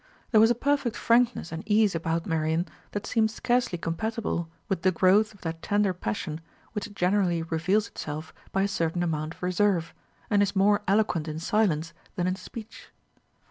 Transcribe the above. There was a perfect frankness and ease about Marian that seemed scarcely compatible with the growth of that tender passion which generally reveals itself by a certain amount of reserve, and is more eloquent in silence than in speech.